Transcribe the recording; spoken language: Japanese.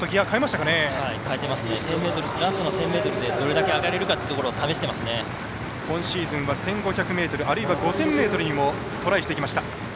ラストの１０００ｍでどれだけ上げれるか今シーズン、１５００ｍあるいは５０００ｍにもトライしてきました。